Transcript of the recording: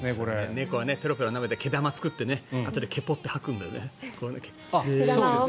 猫はぺろぺろ舐めて毛玉を作ってあとでけぽって吐くんだよね。